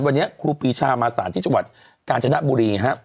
วันนี้ครูปีชามาสารที่จังหวัดกาญจนบุรีครับ